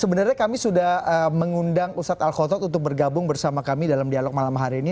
sebenarnya kami sudah mengundang ustadz al khotot untuk bergabung bersama kami dalam dialog malam hari ini